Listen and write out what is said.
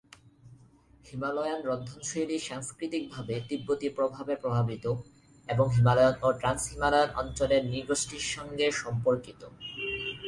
Himalayan রন্ধনশৈলী সাংস্কৃতিক ভাবে তিব্বতি প্রভাবে প্রভাবিত এবং হিমালয় ও ট্রান্স-হিমালয় অঞ্চলের নৃগোষ্ঠীর সংগে সম্পর্কিত।